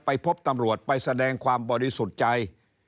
พบตำรวจไปแสดงความบริสุทธิ์ใจ